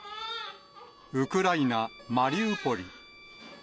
ウクライナ・マリウポリ。